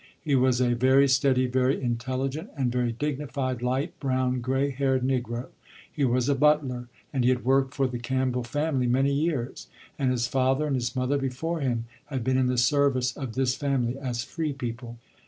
He was a very steady, very intelligent, and very dignified, light brown, grey haired negro. He was a butler and he had worked for the Campbell family many years, and his father and his mother before him had been in the service of this family as free people.